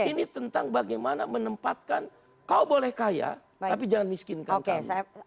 ini tentang bagaimana menempatkan kau boleh kaya tapi jangan miskinkan kamu